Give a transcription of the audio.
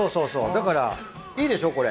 だからいいでしょこれ。